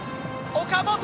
岡本！